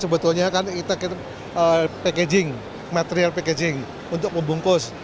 sebetulnya kan kita packaging material packaging untuk membungkus